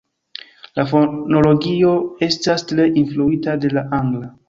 La fonologio estas tre influita de la angla.